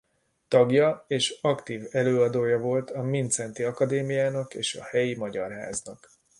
Tagja és aktív előadója volt a Mindszenty Akadémiának és a helyi Magyar Háznak.